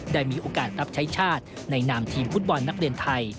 ได้มีโอกาสรับใช้ชาติในนามทีมฟุตบอลนักเรียนไทย